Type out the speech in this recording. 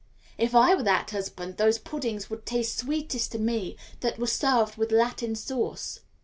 If I were that husband, those puddings would taste sweetest to me that were served with Latin sauce.